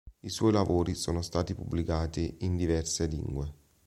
I suoi lavori sono stati pubblicati in diverse lingue.